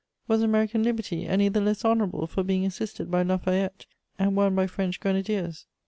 Was American liberty any the less honourable for being assisted by La Fayette and won by French grenadiers?